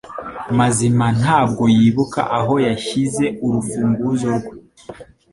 Mazima ntabwo yibuka aho yashyize urufunguzo rwe.